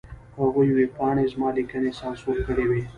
هغې ویبپاڼې زما لیکنې سانسور کړې وې.